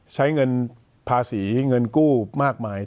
ใช้เงินภาษีเงินกู้มากมาย